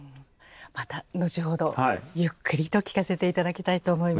また後ほどゆっくりと聞かせて頂きたいと思います。